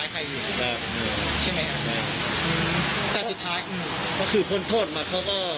อาการก็จะยังไงนะครับ